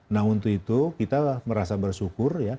nah untuk itu kita merasa bersyukur ya